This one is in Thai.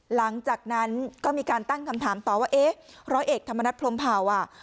หลังจากนั้นก็มีการตั้งคำถามต่อว่าเอ๊ะร้อยเอกธรรมนัฐพรมเผาอ่ะ